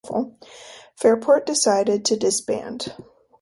Fairport decided to disband.